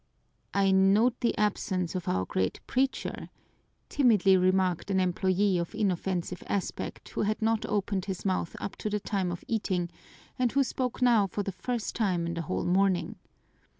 "I note the absence of our great preacher," timidly remarked an employee of inoffensive aspect who had not opened his mouth up to the time of eating, and who spoke now for the first time in the whole morning.